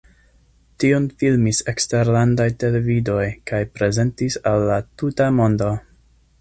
Tion filmis eksterlandaj televidoj kaj prezentis al la tuta mondo.